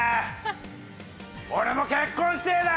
俺も結婚してえな！